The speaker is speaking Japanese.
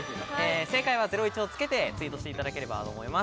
正解は「＃ゼロイチ」をつけてツイートしていただければと思います。